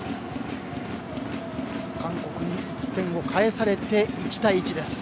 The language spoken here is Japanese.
韓国に１点を返されて１対１です。